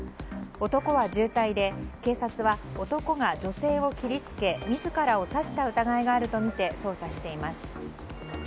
男は重体で警察は、男が女性を切り付け、自らを刺した疑いがあるとみて捜査しています。